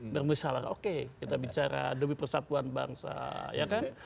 bermusyarat oke kita bicara demi persatuan bangsa ya kan